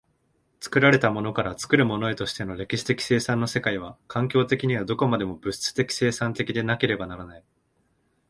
作られたものから作るものへとしての歴史的生産の世界は、環境的にはどこまでも物質的生産的でなければならない。